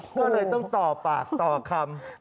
ก็เลยต้องต่อปากต่อคำกันหน่อยล่ะครับ